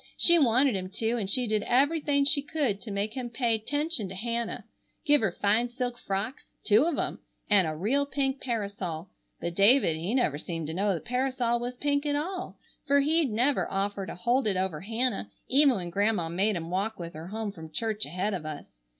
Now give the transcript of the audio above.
She wanted him to an' she did everything she could to make him pay 'tention to Hannah, give her fine silk frocks, two of 'em, and a real pink parasol, but David he never seemed to know the parasol was pink at all, fer he'd never offer to hold it over Hannah even when Grandma made him walk with her home from church ahead of us.